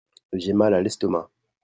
J'ai mal à l'estomac.